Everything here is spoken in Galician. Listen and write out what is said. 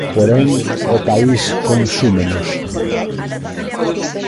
Porén, o país consúmenos.